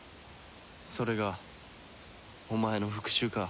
それがお前の復讐か。